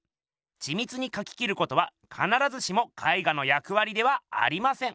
ちみつにかき切ることはかならずしも絵画の役わりではありません！